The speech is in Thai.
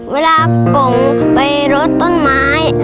เวลากงไปลดต้นไม้